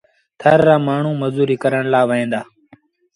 ٿر رآ مآڻهوٚٚݩ مزوريٚ ڪرڻ لآ وهيݩ دآ